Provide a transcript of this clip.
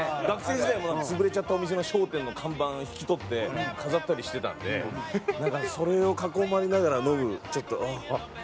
学生時代も潰れちゃったお店の商店の看板引き取って飾ったりしてたんでなんかそれを囲まれながら飲むちょっとあっ